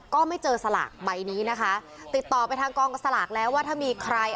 ก็ไม่เจอสลากใบนี้นะคะติดต่อไปทางกองสลากแล้วว่าถ้ามีใคร